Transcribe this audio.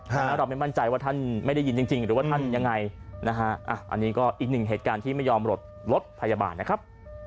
แล้วเราไม่มั่นใจว่าท่านไม่ได้ยินจริงหรือว่าท่านยังไงนะฮะอันนี้ก็อีกหนึ่งเหตุการณ์ที่ไม่ยอมหลดรถพยาบาลนะครับ